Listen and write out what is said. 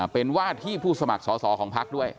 เป็นว่าที่ผู้สมัครสอสอของพักด้วย